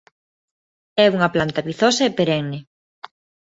É unha planta vizosa e perenne.